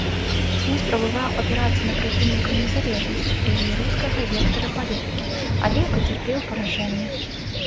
Ён спрабаваў апірацца на прыхільнікаў незалежнасці і рускага вектара палітыкі, але пацярпеў паражэнне.